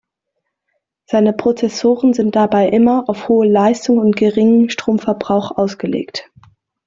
Seine Prozessoren sind dabei immer auf hohe Leistung und geringen Stromverbrauch ausgelegt.